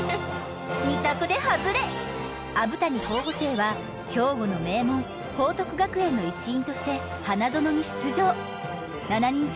２択でハズレ油谷候補生は兵庫の名門報徳学園の一員として花園に出場７人制